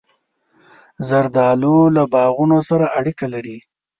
زردالو له باغونو سره اړیکه لري.